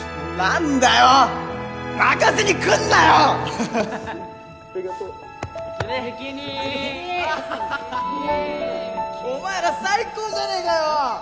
アハハハお前ら最高じゃねえかよ！